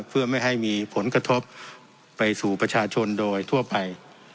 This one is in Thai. เพื่อไม่ให้มีผลกระทบไปสู่ประชาชนโดยทั่วไป